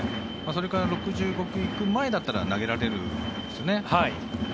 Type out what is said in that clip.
それか６５球行く前だったら投げられるんですよね。